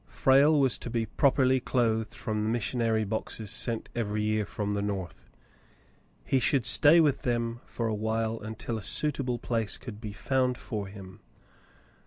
Frale was to be properly clothed from the missionary boxes sent every year from the North. He should stay with them for a while until a suitable place could be found for him.